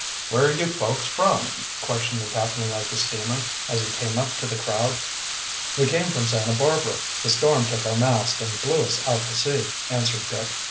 "Where are you folks from?" questioned the captain of the steamer, as he came up to, the crowd. "We came from Santa Barbara. The storm took our mast, and blew us out to sea," answered Dick.